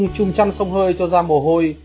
cho vào sông hơi cho ra mồ hôi